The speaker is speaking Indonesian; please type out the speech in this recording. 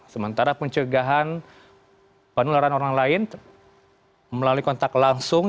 sementara pencegahan penularan orang lain melalui kontak langsung